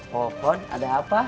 popon ada apa